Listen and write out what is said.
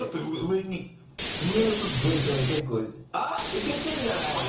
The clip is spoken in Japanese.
いけてるんじゃないの？